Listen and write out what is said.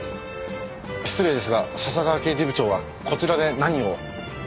失礼ですが笹川刑事部長はこちらで何を？